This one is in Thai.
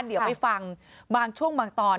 เดี๋ยวไปฟังบางช่วงบางตอน